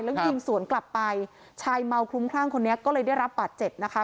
แล้วยิงสวนกลับไปชายเมาคลุ้มคลั่งคนนี้ก็เลยได้รับบาดเจ็บนะคะ